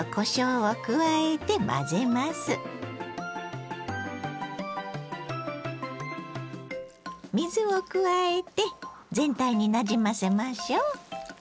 水を加えて全体になじませましょう。